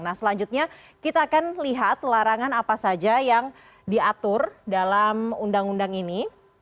nah selanjutnya kita akan lihat larangan apa saja yang diatur dalam undang undang ini